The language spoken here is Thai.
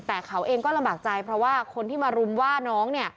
แต่เขาเองก็ลำบากใจเพราะว่าคนที่มารุมว่าน้อง